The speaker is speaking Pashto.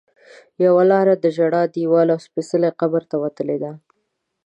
یوه لاره د ژړا دیوال او سپېڅلي قبر ته وتلې ده.